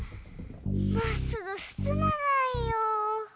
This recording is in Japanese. まっすぐすすまないよ。